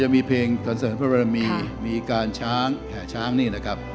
มีเพลงสันเสริมพระบรมีมีการช้างแห่ช้างนี่นะครับ